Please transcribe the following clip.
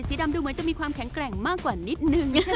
สีดำดูมีความแข็งแกร่งมากกว่านิดนึง